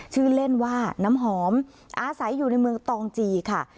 ชื่อเล่นว่าน้ำหอมอาศัยอยู่ในเมืองตองจีค่ะ